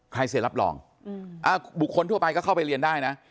เสียรับรองบุคคลทั่วไปก็เข้าไปเรียนได้นะ